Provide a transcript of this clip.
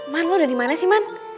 man lo udah dimana sih man